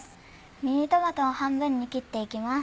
ミニトマトを半分に切っていきます。